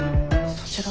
そちらは？